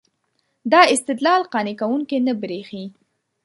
دا استدلال قانع کوونکی نه برېښي.